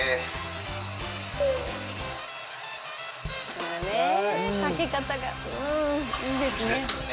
このねかけ方がいいですね！